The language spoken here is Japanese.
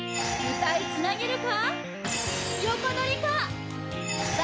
歌いつなげるか？